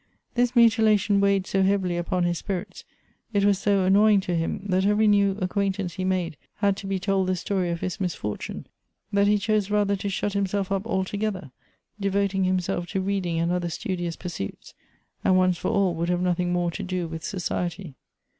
This mutila tion weighed so heavily upon his spirits, it was so annoy ing to him that every new acquaintance he made had to be told the story of his misfortune, that he chose rather to shut himself up altogether, devoting himself to reading and other studious pursuits, and once for all would have nothing more to do with society.